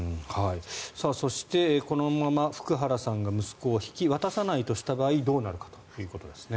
そしてこのまま福原さんが息子を引き渡さないとした場合どうなるかということですね。